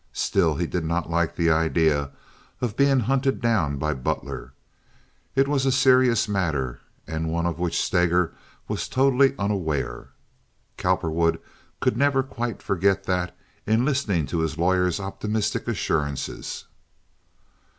Still, he did not like the idea of being hunted down by Butler. It was a serious matter, and one of which Steger was totally unaware. Cowperwood could never quite forget that in listening to his lawyer's optimistic assurances.